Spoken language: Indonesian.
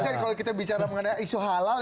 masyar kalau kita bicara mengenai isu halal